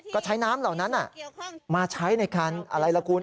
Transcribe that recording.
ก็ใช้น้ำเหล่านั้นมาใช้ในการอะไรล่ะคุณ